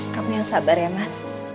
kamu yang sabar ya mas